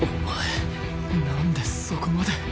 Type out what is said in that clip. お前なんでそこまで。